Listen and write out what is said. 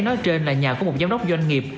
nói trên là nhà của một giám đốc doanh nghiệp